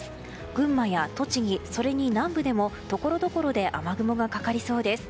群馬や栃木、それに南部でもところどころで雨雲がかかりそうです。